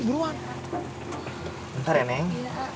bentar ya neng